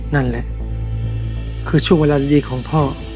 นั่นแหละคือช่วงเวลาดีของพ่อ